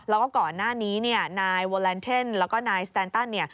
แล้วก็ก่อนหน้านี้นายโวแลนเทินแล้วก็นายสแตนตัน